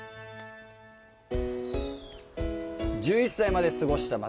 １１歳まで過ごした町。